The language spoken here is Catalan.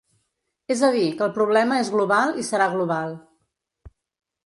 És a dir, que el problema és global i serà global.